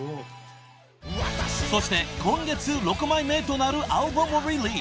［そして今月６枚目となるアルバムをリリース］